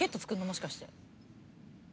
もしかして。